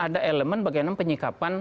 ada elemen bagaimana penyikapan